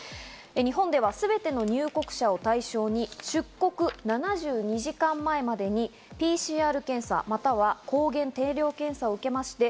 日本ではすべての入国者を対象に出国７２時間前までにＰＣＲ検査、または抗原定量検査を受けまして、